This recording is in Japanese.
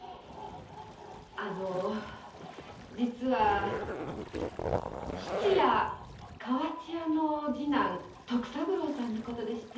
実は質屋河内屋の次男徳三郎さんの事でして。